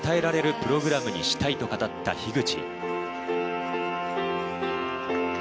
プログラムにしたいと語った口。